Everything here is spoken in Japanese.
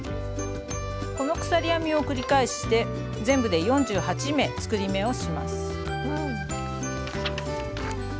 この鎖編みを繰り返して全部で４８目作り目をします。